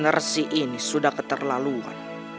paman resi ini sudah keterlaluan